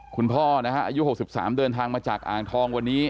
คุณพ่อนะฮะอายุ๖๓เดินทางมาจากอ่างทองวันนี้